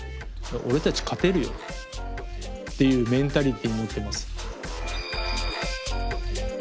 俺たち勝てるよっていうメンタリティー持ってます。